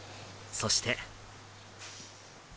そして。